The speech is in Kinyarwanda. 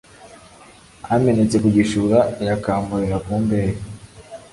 amenetse ku gishura ayakamurira ku mbehe